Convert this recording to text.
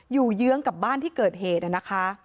เยื้องกับบ้านที่เกิดเหตุนะคะ